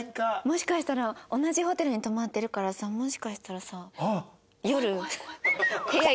もしかしたら同じホテルに泊まってるからさもしかしたらさ夜。